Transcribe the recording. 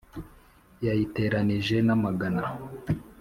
yayiteranije n'amagana